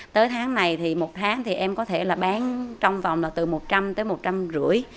tới tháng này một tháng em có thể bán trong vòng từ một trăm linh một trăm năm mươi